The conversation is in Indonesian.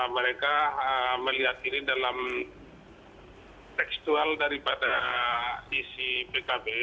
mereka melihat ini dalam tekstual daripada isi pkb